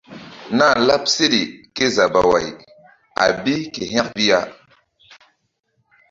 Nah láɓ seɗe kézabaway a bi ke hȩk bi ya.